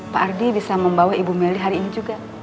pak ardi bisa membawa ibu meli hari ini juga